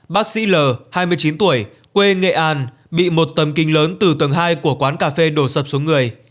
bác sĩ l hai mươi chín tuổi quê nghệ an bị một tấm kinh lớn từ tầng hai của quán cà phê đổ sập xuống người